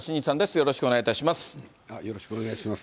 よろしくお願いします。